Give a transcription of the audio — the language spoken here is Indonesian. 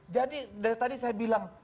jadi dari tadi saya bilang